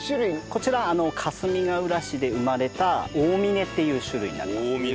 こちらかすみがうら市で生まれた大峰っていう種類になります。